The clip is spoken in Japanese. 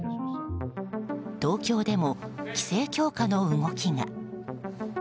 東京でも規制強化の動きが。